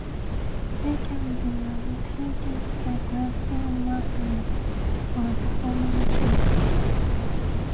They can be obtained by collecting markers or performing tricks.